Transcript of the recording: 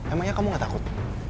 emangnya kamu gak takut